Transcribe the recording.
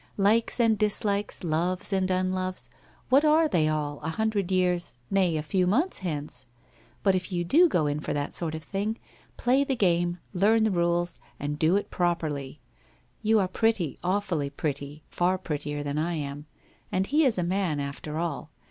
Likes and dislikes, loves and unloves, what are they all, a hun dred years — nay a few months hence? But if you do go in for that sort of thing, play the game, learn the rules, do it properly. You are pretty, awfully pretty, far pret tier than I am. And he is a man after all.